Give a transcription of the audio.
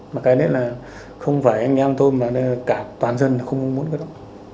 mà cái đấy là không phải anh em tôi mà cả toàn dân không muốn cái đó